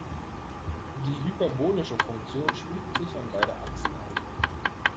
Die hyperbolische Funktion schmiegt sich an beide Achsen an.